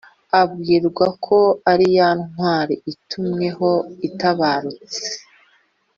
abwirwa ko ariyantwari yatumyeho itabarutse